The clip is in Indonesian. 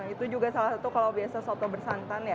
itu juga salah satu kalau biasa soto bersantan ya